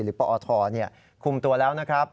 ปอทคุมตัวแล้วนะครับ